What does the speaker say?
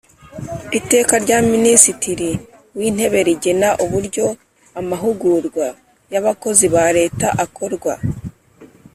Iteka rya Minisitiri w Intebe rigena uburyo amahugurwa y Abakozi ba Leta akorwa